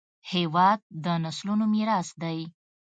هېواد د نسلونو میراث دی.